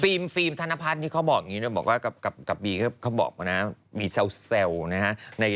ฟิล์มฟิล์มธนพัฒน์ที่เขาบอกอย่างนี้นะบอกว่ากับกับกับบีก็เขาบอกนะฮะมีแซวนะฮะ